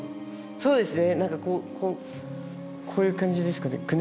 そうですね。